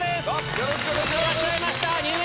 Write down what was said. よろしくお願いします！